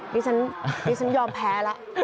นี่ฉันนี่ฉันยอมแพ้แล้ว